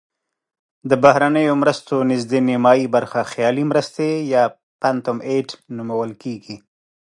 د بهرنیو مرستو نزدې نیمایي برخه خیالي مرستې یا phantom aid نومول کیږي.